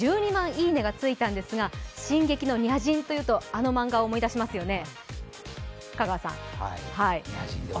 「いいね」がついたんですが進撃のニャ人というと、あの漫画を思い出しますよね。